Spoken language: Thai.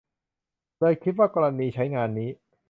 เลยคิดว่ากรณีใช้งานนี้